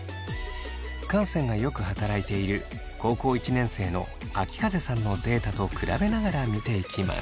汗腺がよく働いている高校１年生のあきかぜさんのデータと比べながら見ていきます。